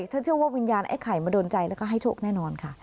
เชื่อว่าวิญญาณไอ้ไข่มาโดนใจแล้วก็ให้โชคแน่นอนค่ะ